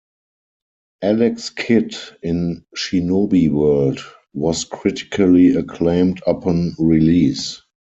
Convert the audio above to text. "Alex Kidd in Shinobi World" was critically acclaimed upon release.